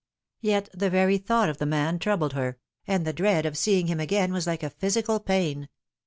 Yet the very thought of the man troubled her, and the dread of seeing him again was like a physical pain.